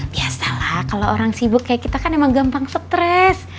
biasalah kalau orang sibuk kayak kita kan emang gampang stres